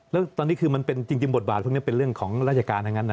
แล้วตอนนี้คือมันเป็นจริงบทบาทพวกนี้เป็นเรื่องของราชการทั้งนั้นนะ